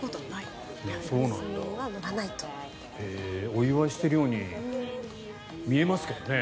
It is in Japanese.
お祝いしているように見えますけどね。